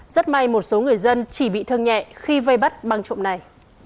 rất may một số người dân chỉ bị thương nhẹ khi vây bắt băng trộm này